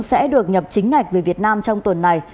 sẽ được nhập chính ngạch về việt nam trong tuần này